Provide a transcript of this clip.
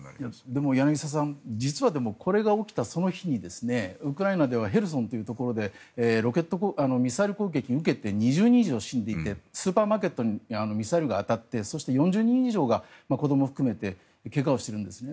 でも、柳澤さん実はこれが起きたその日にウクライナではヘルソンというところでミサイル攻撃を受けて２０人以上が死んでいてスーパーマーケットにミサイルが当たってそして、４０人以上が子どもを含めて怪我をしてるんですね。